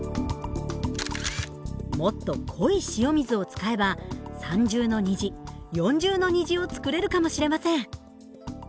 もっと濃い塩水を使えば三重の虹四重の虹を作れるかもしれません。